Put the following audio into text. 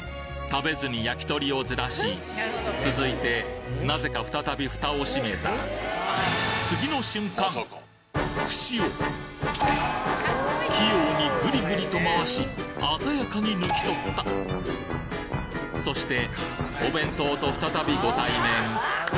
食べずにやきとりをずらし続いてなぜか再びフタを閉めた串を器用にぐりぐりと回し鮮やかに抜き取ったそしてお弁当と再びご対面